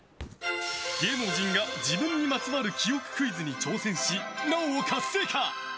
芸能人が自分にまつわる記憶クイズに挑戦し、脳を活性化。